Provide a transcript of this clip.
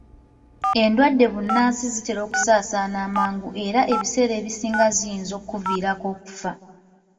Endwadde bbunansi zitera okusaasaana amangu era ebiseera ebisinga ziyinza okkuviirako okufa.